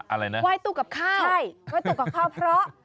อะไรนะไหว้ตู้กับข้าวใช่ไหว้ตู้กับข้าวเพราะ